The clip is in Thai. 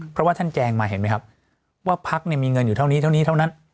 เพราะว่าท่านแจงมาเห็นไหมครับว่าพักมีเงินอยู่เท่านี้เท่านี้เท่านั้น